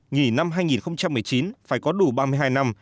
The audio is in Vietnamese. nghỉ năm hai nghìn một mươi chín phải có đủ ba mươi hai năm